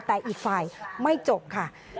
แต่อีกฝ่ายไม่จบค่ะ